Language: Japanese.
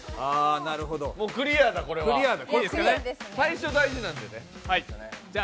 クリアだ、これは最初、大事なんでね。